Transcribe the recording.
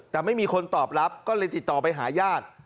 แต่ไม่มีคนตอบรับก็เลยติดต่อไปหาญาติ